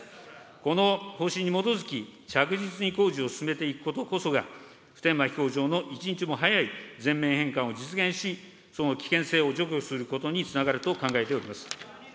この方針に基づき、着実に工事を進めていくことこそが、普天間飛行場の一日も早い全面返還を実現し、その危険性を除去することにつながると考えております。